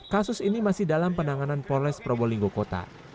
kasus ini masih dalam penanganan polres probolinggo kota